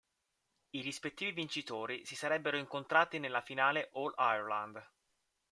I rispettivi vincitori si sarebbero incontrati nella finale All-Ireland.